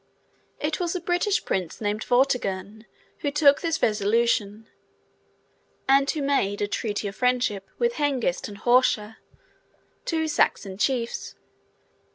It was a British Prince named Vortigern who took this resolution, and who made a treaty of friendship with Hengist and Horsa, two Saxon chiefs.